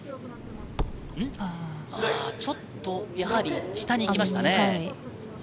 ちょっとやはり下に行きましたね。